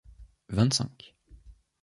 vingt-cinq